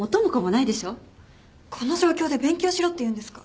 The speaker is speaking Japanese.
この状況で勉強しろっていうんですか。